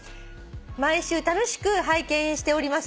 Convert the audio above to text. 「毎週楽しく拝見しております。